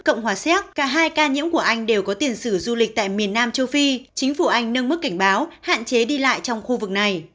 cộng hòa xéc cả hai ca nhiễm của anh đều có tiền sử du lịch tại miền nam châu phi chính phủ anh nâng mức cảnh báo hạn chế đi lại trong khu vực này